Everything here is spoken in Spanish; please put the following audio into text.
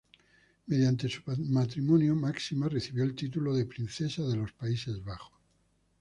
Mediante su matrimonio, Máxima recibió el título de Princesa de los Países Bajos.